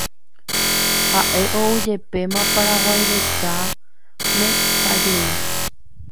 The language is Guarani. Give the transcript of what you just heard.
Haʼe oujepéma Paraguay Retãme pa jey.